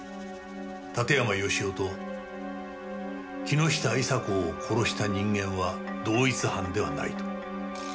館山義男と木下伊沙子を殺した人間は同一犯ではないと。